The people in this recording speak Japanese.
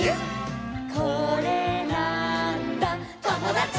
「これなーんだ『ともだち！』」